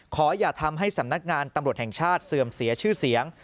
อย่าทำให้สำนักงานตำรวจแห่งชาติเสื่อมเสียชื่อเสียง